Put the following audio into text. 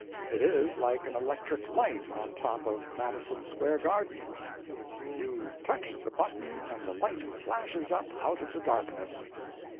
It is like an electric light on top of Madison Square Garden; you touch the button and the light flashes up out of the darkness.